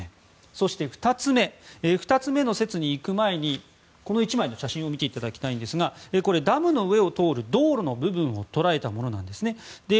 そして２つ目の説にいく前にこの１枚の写真を見ていただきたいんですがダムの上を通る道路の部分を捉えたものなんですね。